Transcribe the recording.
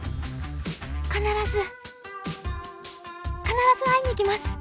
必ず必ず会いに来ます